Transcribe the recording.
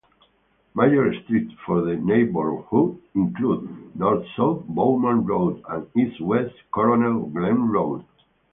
Major streets for the neighborhood include north-south Bowman Road and east-west Colonel Glenn Road.